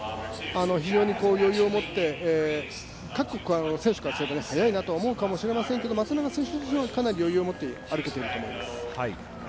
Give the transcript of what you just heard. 非常に余裕を持って各国の選手からすると速いなと思うかもしれませんが松永選手自身はかなり余裕を持って歩けてると思います。